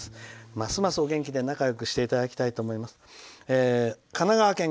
ますますお元気で仲よくしていただきたいと思います。